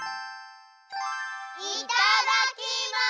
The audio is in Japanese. いただきます！